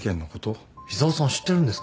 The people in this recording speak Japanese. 井沢さん知ってるんですか？